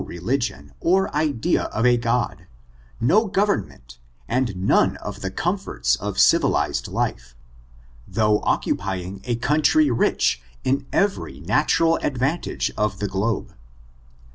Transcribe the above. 231 religioDi or idea of a God, no government, and none of the comforts of civilized life, though occup3ring a oouptry rieh in every natural advantage of the globe.